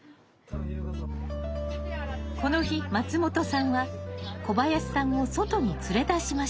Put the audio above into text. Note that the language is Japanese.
この日松本さんは小林さんを外に連れ出しました。